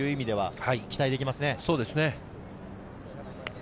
そうですね。